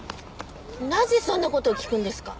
なぜそんな事を聞くんですか？